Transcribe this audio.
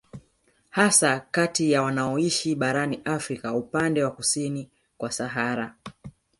Hasa kati ya wanaoishi barani Afrika upande wa kusini kwa Sahara